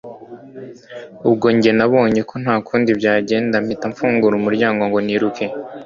ubwo njye nabonye ko ntakundi byamera mpita mfungura umuryango ngo niruke